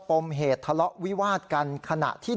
ปมเหตุทะเลาะวิวาดกันขณะที่